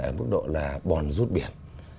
ở mức độ là bòn rút biển